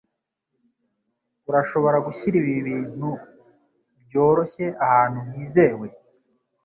Urashobora gushyira ibi bintu byoroshye ahantu hizewe?